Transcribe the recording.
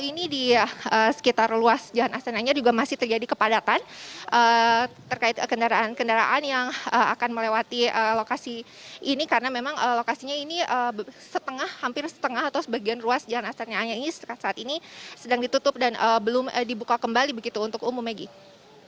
ini di sekitar ruas jalan astananya juga masih terjadi kepadatan terkait kendaraan kendaraan yang akan melewati lokasi ini karena memang lokasinya ini setengah hampir setengah atau sebagian ruas jalan astana anya ini saat ini sedang ditutup dan belum dibuka kembali begitu untuk umum maggie